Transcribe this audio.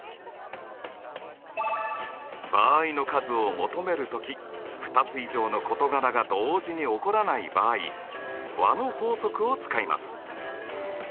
場合の数を求める時２つ以上の事柄が同時に起こらない場合和の法則を使います。